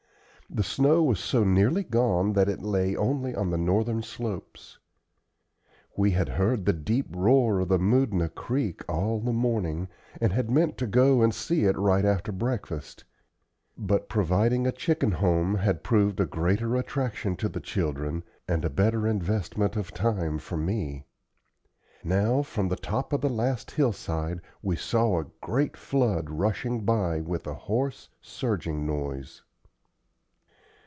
The snow was so nearly gone that it lay only on the northern slopes. We had heard the deep roar of the Moodna Creek all the morning, and had meant to go and see it right after breakfast; but providing a chickenhome had proved a greater attraction to the children, and a better investment of time for me. Now from the top of the last hillside we saw a great flood rushing by with a hoarse, surging noise.